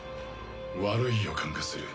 悪い予感がする。